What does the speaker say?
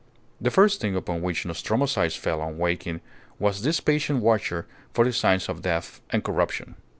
The first thing upon which Nostromo's eyes fell on waking was this patient watcher for the signs of death and corruption.